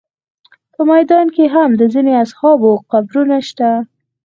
په میدان کې هم د ځینو اصحابو قبرونه شته.